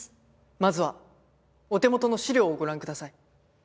まずはお手元の資料をご覧ください。